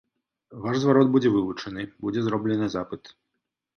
Ваш зварот будзе вывучаны, будзе зроблены запыт.